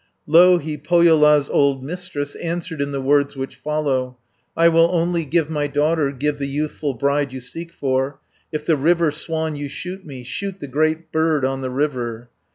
Louhi, Pohjola's old Mistress, Answered in the words which follow: "I will only give my daughter, Give the youthful bride you seek for, If the river swan you shoot me, Shoot the great bird on the river.